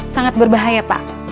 sangat berbahaya pak